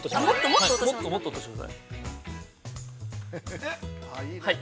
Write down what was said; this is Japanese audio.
◆もっと落としてください。